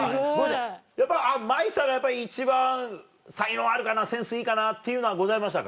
やっぱ茉愛さんが一番才能あるかなセンスいいかなっていうのはございましたか？